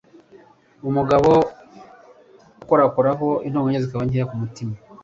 Umugabo akunda gukorakoraho, Intonganya zikaba nke ku mutima,